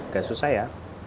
gak susah ya